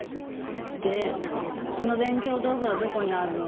でその勉強道具はどこにあるの？